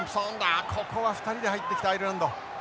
あここは２人で入ってきたアイルランド。